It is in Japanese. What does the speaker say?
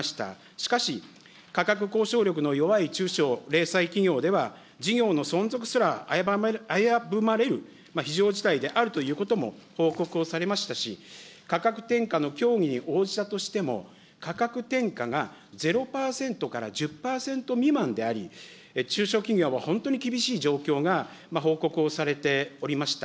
しかし、価格交渉力の弱い中小零細企業では、事業の存続すら危ぶまれる非常事態であるということも、報告をされましたし、価格転嫁の協議に応じたとしても、価格転嫁が０％から１０％未満であり、中小企業は本当に厳しい状況が報告をされておりました。